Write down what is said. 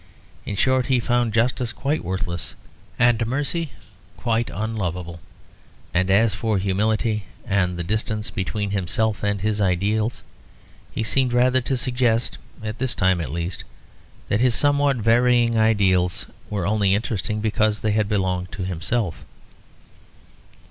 In short he found justice quite worthless and mercy quite unlovable; and as for humility and the distance between himself and his ideals, he seemed rather to suggest (at this time at least) that his somewhat varying ideals were only interesting because they had belonged to himself.